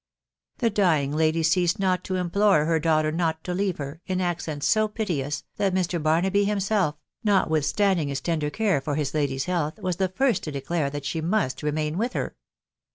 The dying lady ceased net to implore her daughter not to leave her, in accents so piteous, that Mr. Barnaby himself, notwithstanding his tender care for his lady's health, was the first to declare that she must remain with her.